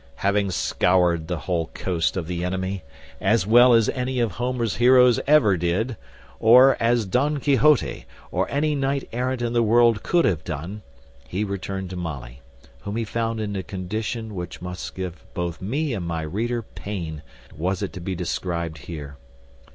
Having scoured the whole coast of the enemy, as well as any of Homer's heroes ever did, or as Don Quixote or any knight errant in the world could have done, he returned to Molly, whom he found in a condition which must give both me and my reader pain, was it to be described here.